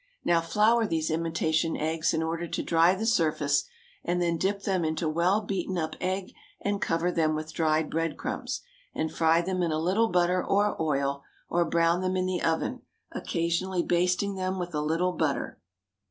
Now flour these imitation eggs in order to dry the surface, and then dip them into well beaten up egg and cover them with dried bread crumbs, and fry them in a little butter or oil, or brown them in the oven, occasionally basting them with a little butter.